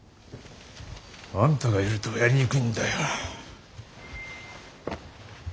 あんたがいるとやりにくいんだよ。